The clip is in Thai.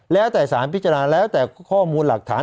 แล้วแต่สารพิจารณาแล้วแต่ข้อมูลหลักฐาน